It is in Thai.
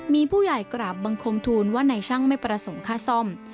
มีผู้ใหญ่กราบบังคมทูลว่าในช่างไม่ประสงค์ค่าซ่อม